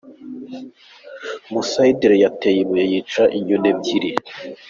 Musayidire yateye ibuye yica inyoni ebyiri.